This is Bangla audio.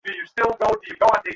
এই রাজ, সবসময় যা চায় তাই করে।